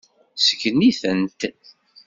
Sgen-itent.